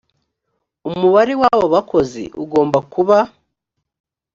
umubare w aba bakozi ugomba kuba